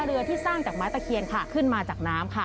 เรือที่สร้างจากไม้ตะเคียนค่ะขึ้นมาจากน้ำค่ะ